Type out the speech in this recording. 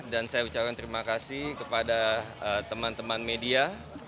dan saya ucapkan terima kasih kepada teman teman media